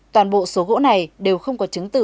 toàn bộ số gỗ này đều không có chứng tử